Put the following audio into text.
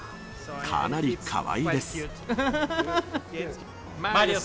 かなりかわいいです。